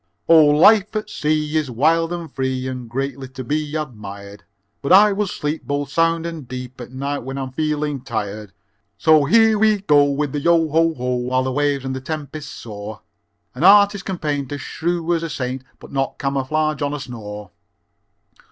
Oh, life at sea is wild and free And greatly to be admired, But I would sleep both sound and deep At night when I'm feeling tired. So here we go with a yo! ho! ho! While the waves and the tempests soar, An artist can paint a shrew as a saint, But not camouflage on a snore.